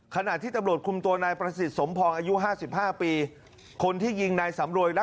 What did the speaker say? ขนาดที่ตำรวจคุมตัวนายประสิทธิ์สมพลอ